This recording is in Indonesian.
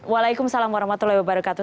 waalaikumsalam warahmatullahi wabarakatuh